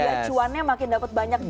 biar sio annya makin dapat banyak juga